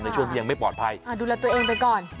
ช่วงที่ยังไม่ปลอดภัยดูแลตัวเองไปก่อน